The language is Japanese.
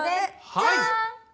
はい！